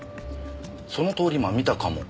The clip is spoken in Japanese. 「その通り魔見たかも」